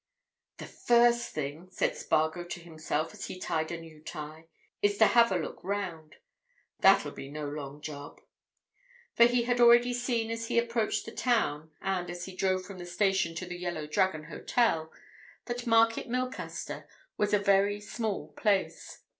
"The first thing," said Spargo to himself as he tied a new tie, "is to have a look round. That'll be no long job." For he had already seen as he approached the town, and as he drove from the station to the "Yellow Dragon" Hotel, that Market Milcaster was a very small place.